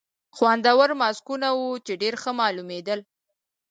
خوندور ماسکونه وو، چې ډېر ښه معلومېدل.